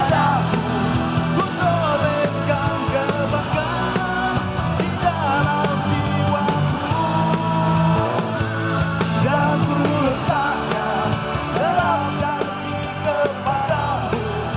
dan ku letakkan dalam janji kepadamu